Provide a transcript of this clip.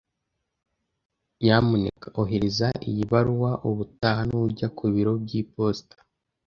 Nyamuneka ohereza iyi baruwa ubutaha nujya ku biro by'iposita.